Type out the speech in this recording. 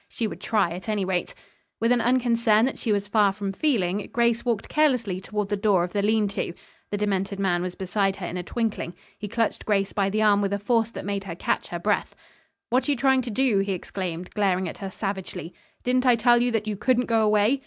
She would try, at any rate. With an unconcern that she was far from feeling, Grace walked carelessly toward the door of the lean to. The demented man was beside her in a twinkling He clutched Grace by the arm with a force that made her catch her breath. "What are you trying to do!" he exclaimed, glaring at her savagely. "Didn't I tell you that you couldn't go away!"